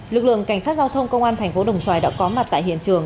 lực lượng cảnh sát giao thông công an thành phố đồng xoài đã có mặt tại hiện trường